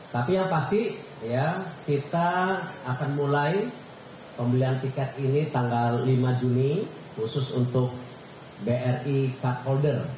tapi yang pasti kita akan mulai pembelian tiket ini tanggal lima juni khusus untuk bri cardholder